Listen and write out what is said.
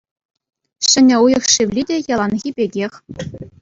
Ҫӗнӗ уйӑх шевли те яланхи пекех.